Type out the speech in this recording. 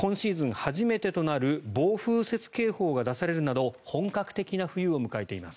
初めてとなる暴風雪警報が出されるなど本格的な冬を迎えています。